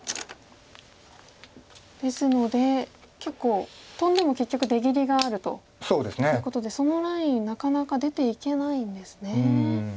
ですので結構トンでも結局出切りがあるということでそのラインなかなか出ていけないんですね。